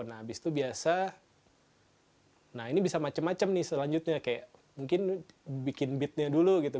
nah habis itu biasa nah ini bisa macam macam nih selanjutnya kayak mungkin bikin beatnya dulu gitu